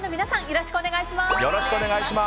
よろしくお願いします。